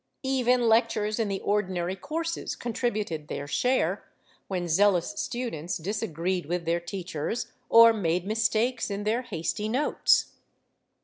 Even lectures in the ordinary courses contributed their share, when zealous students disagreed with their teachers or made mistakes in their hasty notes.